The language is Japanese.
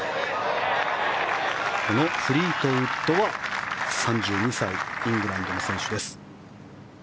このフリートウッドは３２歳イングランドの選手です。